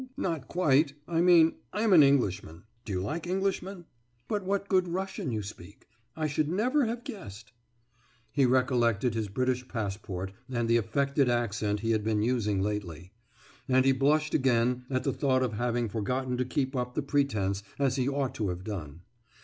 Not quite. I mean, I am an Englishman. Do you like Englishmen?« »But what good Russian you speak! I should never have guessed!« He recollected his British passport and the affected accent he had been using lately, and he blushed again at the thought of having forgotten to keep up the pretence as he ought to have done.